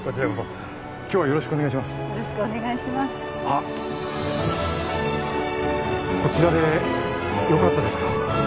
あっこちらでよかったですか？